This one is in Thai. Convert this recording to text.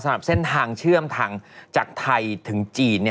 สำหรับเส้นทางเชื่อมทางจากไทยถึงจีน